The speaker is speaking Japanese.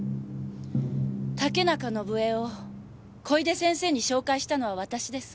竹中伸枝を小出先生に紹介したのは私です。